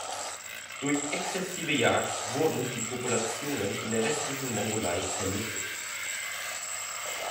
Durch exzessive Jagd wurden die Populationen in der westlichen Mongolei vernichtet.